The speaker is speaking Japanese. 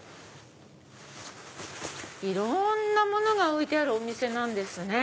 いろんなものが置いてあるお店なんですね。